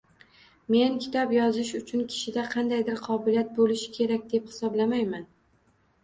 Men kitob yozish uchun kishida qandaydir qobiliyat bo’lishi kerak, deb hisoblamayman